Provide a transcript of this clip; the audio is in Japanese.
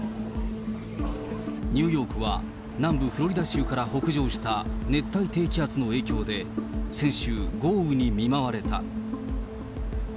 ニューヨークは、南部フロリダ州から北上した熱帯低気圧の影響で、先週、豪雨に見舞われた。